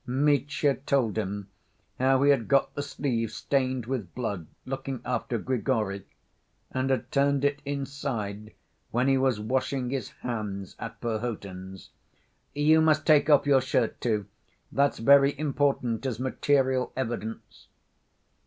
Mitya told him how he had got the sleeve stained with blood looking after Grigory, and had turned it inside when he was washing his hands at Perhotin's. "You must take off your shirt, too. That's very important as material evidence."